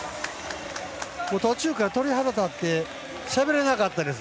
途中から鳥肌たってしゃべれなかったです。